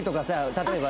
例えば。